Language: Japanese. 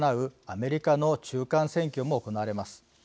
アメリカの中間選挙も行われます。